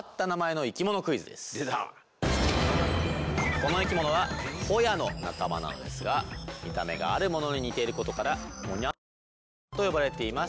この生き物はホヤの仲間なんですが見た目があるものに似ていることからほにゃららボヤと呼ばれています。